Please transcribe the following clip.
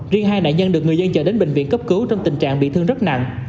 riêng hai nạn nhân được người dân chờ đến bệnh viện cấp cứu trong tình trạng bị thương rất nặng